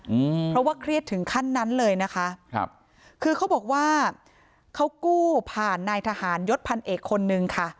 อืมเพราะว่าเครียดถึงขั้นนั้นเลยนะคะครับคือเขาบอกว่าเขากู้ผ่านนายทหารยศพันเอกคนนึงค่ะ